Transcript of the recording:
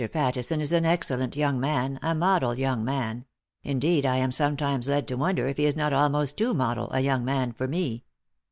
Pattison is an excellent young man, a model young man — indeed I am sometimes led to wonder if he is not almost too model a young man for me.